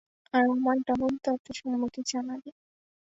আর আমার ডাবল তাতে সম্মতি জানাবে।